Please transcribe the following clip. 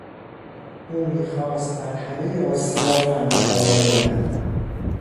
او میخواست بر همهی آسیا فرمانروایی کند.